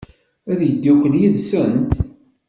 Ad yeddukel yid-sent?